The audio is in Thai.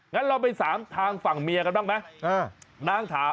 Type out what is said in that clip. งั้นเราไปถามทางฝั่งเมียกันบ้างไหม